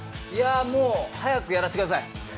もう早くやらせてください。